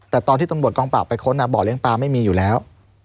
แต่ตอนที่ตำรวจกองปราบไปค้นบ่อเลี้ยงปลาไม่มีอยู่แล้ว